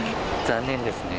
残念ですね。